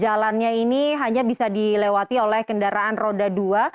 jalannya ini hanya bisa dilewati oleh kendaraan roda dua